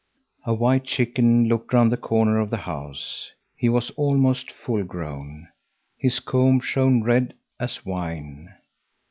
A white chicken looked round the corner of the house. He was almost full grown. His comb shone red as wine.